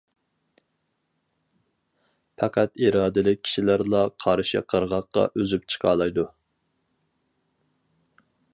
پەقەت ئىرادىلىك كىشىلەرلا قارشى قىرغاققا ئۈزۈپ چىقالايدۇ.